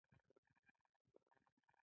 انار د لوږې پر وخت خوړل خوند کوي.